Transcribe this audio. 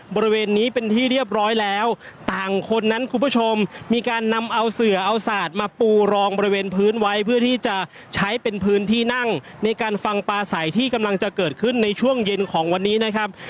บริเวณนี้เป็นที่เรียบร้อยแล้วต่างคนนั้นคุณผู้ชมมีการนำเอาเสือเอาสาดมาปูรองบริเวณพื้นไว้เพื่อที่จะใช้เป็นพื้นที่นั่งในการฟังปลาใสที่กำลังจะเกิดขึ้นในช่วงเย็นของวันนี้นะครับ